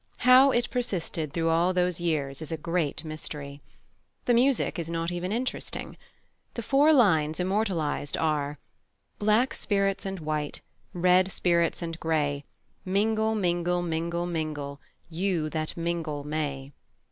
How it persisted through all those years is a great mystery. The music is not even interesting. The four lines immortalised are: Black spirits and white, Red spirits and gray, Mingle, mingle, mingle, mingle, You that mingle may.